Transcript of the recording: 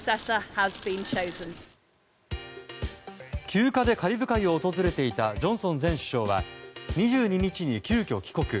休暇でカリブ海を訪れていたジョンソン前首相は２２日に急きょ帰国。